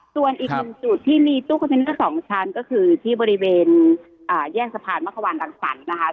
ส่วนอีกหนึ่งจุดที่มีตู้คอนเทนเนอร์๒ชั้นก็คือที่บริเวณแยกสะพานมะควานรังสรรค์นะคะ